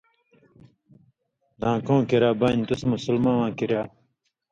دھان٘کؤں کِریا بانیۡ تُس مُسلماں واں کِریا